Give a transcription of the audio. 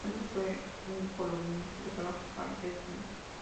Antes fue un columnista que trabajó para "The Times".